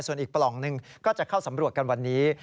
ส่วนอีกปล่องหนึ่งก็จะเข้าสำรวจกันวันนี้